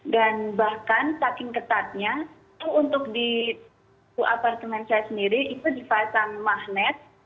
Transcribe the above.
dan bahkan saking ketatnya itu untuk di apartemen saya sendiri itu dipasang magnet